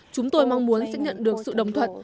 chúng tôi mong muốn sẽ nhận được sự đồng thuận